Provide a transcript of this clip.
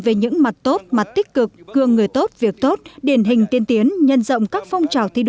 về những mặt tốt mặt tích cực cương người tốt việc tốt điển hình tiên tiến nhân rộng các phong trào thi đua